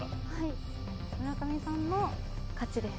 村上さんの勝ちです。